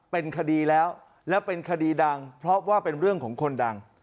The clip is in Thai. เป็นคดีแล้วและเป็นคดีดังเพราะว่าเป็นเรื่องของคนดัง